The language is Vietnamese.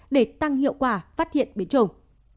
để tăng hiệu quả phát hiện biến chủng